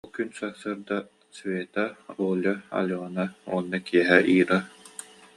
Ол күн сарсыарда Света, Оля, Алена уонна киэһэ Ира